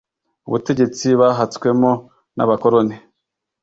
ubutegetsi bahatswemo n abakoloni